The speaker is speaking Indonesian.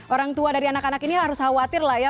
orang tua dari anak anak ini harus khawatir lah ya